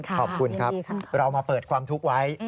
ขอบคุณครับเรามาเปิดความทุกข์ไว้